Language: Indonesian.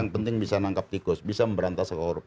yang penting bisa menangkap tikus bisa memberantah sekorupsi